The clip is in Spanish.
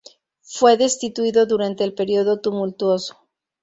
Fue destituido durante el Período Tumultuoso.